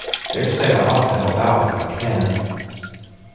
Dare say I ought to help out, if I can."